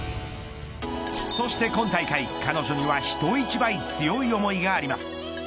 そして今大会、彼女には人一倍強い思いがあります。